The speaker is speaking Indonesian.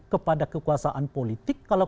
kepada kekuasaan politik kalau